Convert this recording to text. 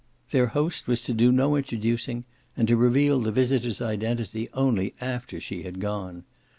Their host was to do no introducing and to reveal the visitor's identity only after she had gone.